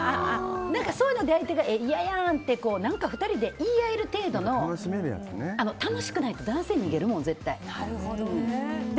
そういうので相手が嫌やんって何か２人で言い合える程度の楽しくないと男性逃げるもん、絶対。